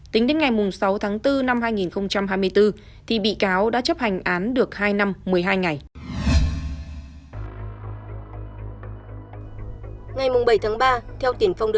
tính đến ngày sáu tháng bốn năm hai nghìn hai mươi bốn thì bị cáo đã chấp hành án được hai năm một mươi hai ngày